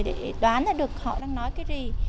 để đoán ra được họ đang nói cái gì